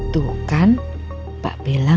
tuh kan mbak bella